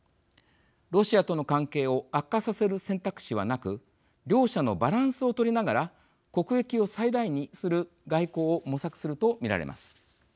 ロシアとの関係を悪化させる選択肢はなく両者のバランスを取りながら国益を最大にする外交を模索すると見られます。